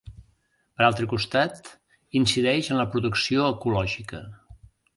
Per altre costat, incideix en la producció ecològica.